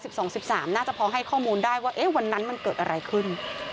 น่าจะพอให้ข้อมูลได้ว่าวันนั้นมันเกิดอะไรขึ้น